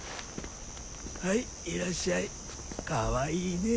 はいいらっしゃいかわいいねえ。